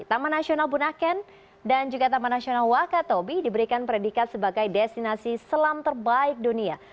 taman nasional bunaken dan juga taman nasional wakatobi diberikan predikat sebagai destinasi selam terbaik dunia